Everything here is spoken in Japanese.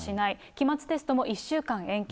期末テストも１週間延期。